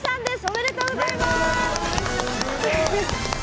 おめでとうございます！